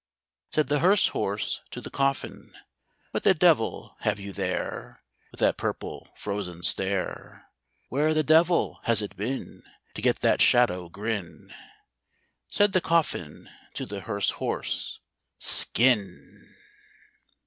Said the hearse horse to the coffin, "What the devil have you there, With that purple frozen stare? Where the devil has it been To get that shadow grin?" Said the coffin to the hearse horse, "Skin!"